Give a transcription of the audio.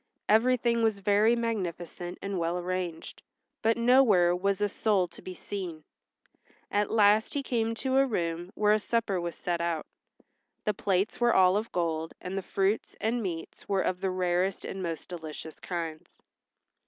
Everything was very magnificent and well arranged, but nowhere was a soul to be seen. At last he came to a room where a supper was set out. The plates were all of gold, and the fruits and meats were of the rarest and most delicious kinds.